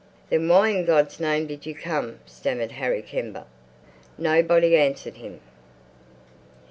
"Then why in God's name did you come?" stammered Harry Kember. Nobody answered him.